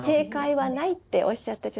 はい。